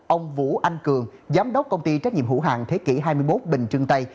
ông vũ anh cường giám đốc công ty trách nhiệm hữu hàng thế kỷ hai mươi một bình trưng tây